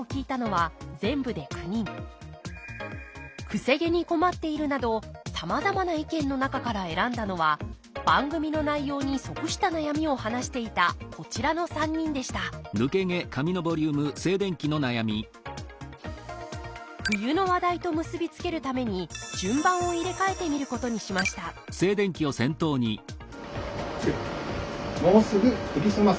「癖毛に困っている」などさまざまな意見の中から選んだのは番組の内容に即した悩みを話していたこちらの３人でした冬の話題と結び付けるために順番を入れ替えてみることにしました「もうすぐクリスマス」。